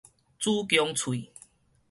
子宮喙